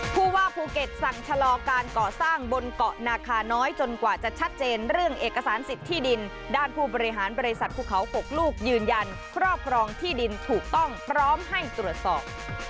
ผู้ว่าภูเก็ตสั่งชะลอการก่อสร้างบนเกาะนาคาน้อยจนกว่าจะชัดเจนเรื่องเอกสารสิทธิ์ที่ดินด้านผู้บริหารบริษัทภูเขา๖ลูกยืนยันครอบครองที่ดินถูกต้องพร้อมให้ตรวจสอบ